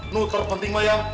nuh terpenting mbah ya